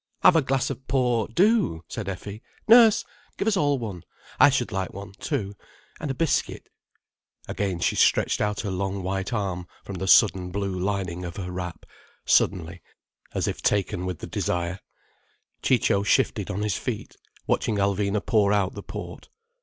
"Have a glass of port, do!" said Effie. "Nurse, give us all one. I should like one too. And a biscuit." Again she stretched out her long white arm from the sudden blue lining of her wrap, suddenly, as if taken with the desire. Ciccio shifted on his feet, watching Alvina pour out the port.